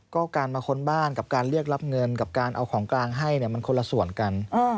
ก็การมาค้นบ้านกับการเรียกรับเงินกับการเอาของกลางให้มันคนละส่วนกัน